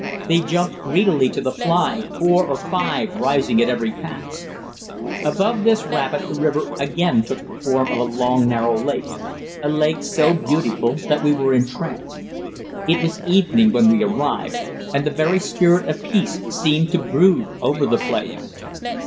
They jumped greedily to the fly, four or five rising at every cast. Above this rapid the river again took the form of a long, narrow lake a lake so beautiful that we were entranced. It was evening when we arrived, and the very spirit of peace seemed to brood over the place.